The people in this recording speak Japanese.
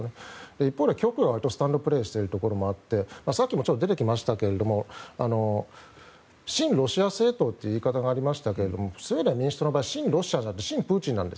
一方で、極右の人はスタンドプレーをしている人があってさっきも出てきましたけれども親ロシア政党という言い方がありましたけれどもスウェーデン民主党の場合親ロシアじゃなくて親プーチンなんです。